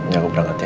ya aku berangkat ya